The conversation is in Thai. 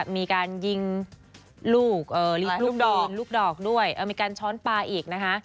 มีการยิงลูกลูกดอกด้วยเออมีการช้อนปลาอีกนะฮะ